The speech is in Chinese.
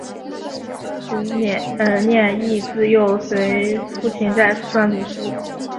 蹇念益自幼随父亲在四川念书。